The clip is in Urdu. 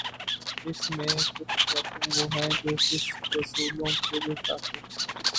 اس میںکچھ باتیں وہ ہیں جو صرف رسولوں کے لیے خاص ہیں۔